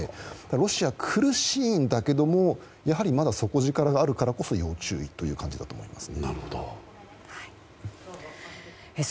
ロシア、苦しいんだけれどもまだ底力があるからこそ要注意ということだと思います。